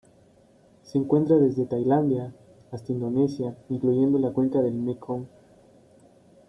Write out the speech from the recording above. Se encuentra desde Tailandia hasta Indonesia, incluyendo la cuenca del Mekong.